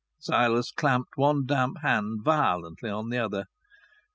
Silas clapped one damp hand violently on the other.